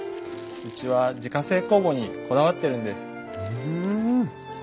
うちは自家製酵母にこだわってるんです。